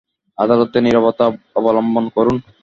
আদালতে নীরবতা অবলম্বন করুন!